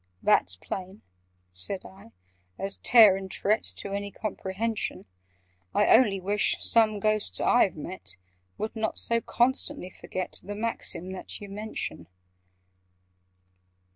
"That's plain," said I, "as Tare and Tret, To any comprehension: I only wish some Ghosts I've met Would not so constantly forget The maxim that you mention!"